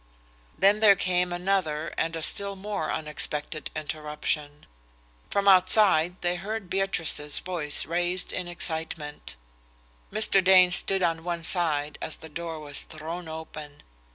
Then there came another and a still more unexpected interruption. From outside they heard Beatrice's voice raised in excitement. Mr. Dane stood on one side as the door was thrown open.